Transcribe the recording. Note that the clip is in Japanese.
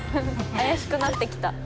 怪しくなってきた。